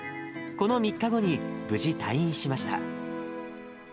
この３日後に、無事退院しました。